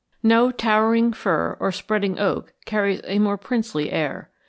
No towering fir or spreading oak carries a more princely air.